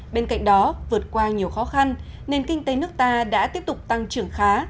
bên cạnh đó vượt qua nhiều khó khăn nền kinh tế nước ta đã tiếp tục tăng trưởng khá